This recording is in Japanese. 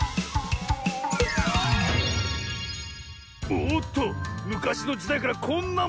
おっとむかしのじだいからこんなものが！